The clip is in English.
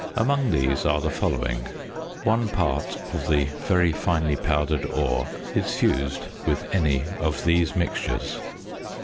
Among these are the following. One part of the very finely powdered ore is fused with any of these mixtures.